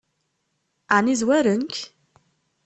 Ɛni zwaren-k?